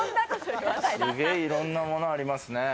すげぇいろんなものありますね。